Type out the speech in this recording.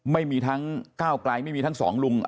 ไม่มีทั้งก้าวไกลไม่มีทั้งสองลุง